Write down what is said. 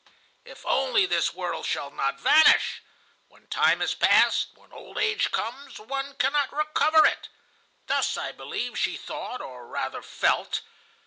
"'If only this world shall not vanish! When time is past, when old age comes, one cannot recover it.' Thus, I believe, she thought, or rather felt.